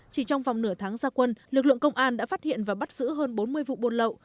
chỉ trong vòng nửa tháng gia quân lực lượng công an đã phát hiện và bắt giữ hơn bốn mươi vụ buôn lậu